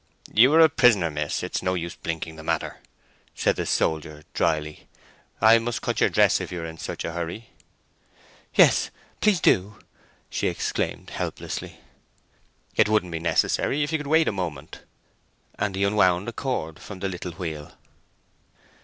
"You are a prisoner, miss; it is no use blinking the matter," said the soldier, drily. "I must cut your dress if you are in such a hurry." "Yes—please do!" she exclaimed, helplessly. "It wouldn't be necessary if you could wait a moment," and he unwound a cord from the little wheel.